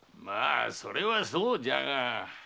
まあそれはそうじゃが。